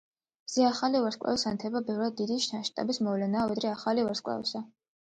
ზეახალი ვარსკვლავის ანთება ბევრად დიდი მასშტაბის მოვლენაა, ვიდრე ახალი ვარსკვლავისა.